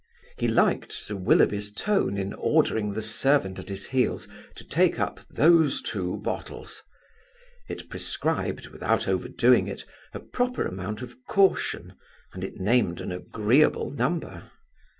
He liked Sir Willoughby's tone in ordering the servant at his heels to take up "those two bottles": it prescribed, without overdoing it, a proper amount of caution, and it named an agreeable number.